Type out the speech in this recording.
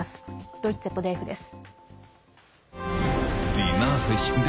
ドイツＺＤＦです。